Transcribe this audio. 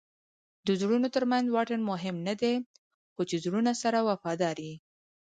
د زړونو ترمنځ واټن مهم نه دئ؛ خو چي زړونه سره وفادار يي.